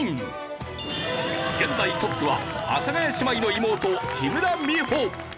現在トップは阿佐ヶ谷姉妹の妹木村美穂。